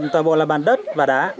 tòa bộ là bàn đất và đá